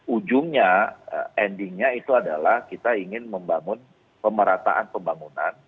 ujungnya endingnya itu adalah kita ingin membangun pemerataan pembangunan